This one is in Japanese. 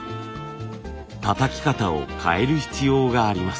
たたき方を変える必要があります。